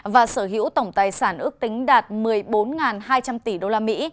và sở hữu tổng tài sản ước tính đạt một mươi bốn hai trăm linh tỷ đô la mỹ